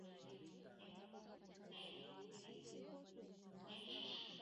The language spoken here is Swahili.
Dalili ya kichaa cha mbwa ni kuathirika hisia kwa miguu ya nyuma